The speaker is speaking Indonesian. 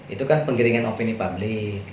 itu kan penggiringan opini publik